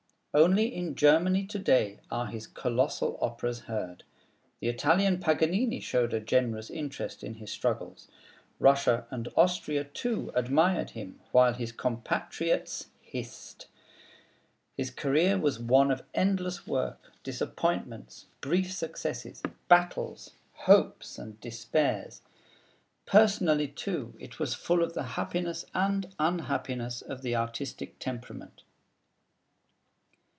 Only in Germany to day are his colossal operas heard. The Italian Paganini showed a generous interest in his struggles. Russia and Austria too admired him, while his compatriots hissed. His career was one of endless work, disappointments, brief successes, battles, hopes, and despairs. Personally, too, it was full of the happiness and unhappiness of the artistic temperament.